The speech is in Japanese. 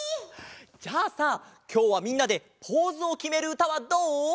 じゃあさきょうはみんなでポーズをきめるうたはどう？